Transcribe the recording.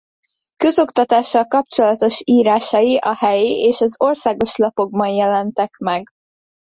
Közoktatással kapcsolatos írásai a helyi és az országos lapokban jelentek meg.